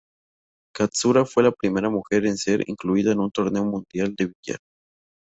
Katsura fue la primera mujer en ser incluida en un torneo mundial de billar.